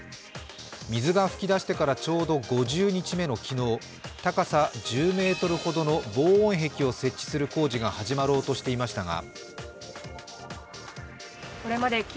水が噴き出してからちょうど５０日目の昨日、高さ１０ｍほどの防音壁を設置する工事が始まろうとしていましたが。